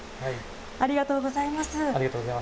ありがとうございます。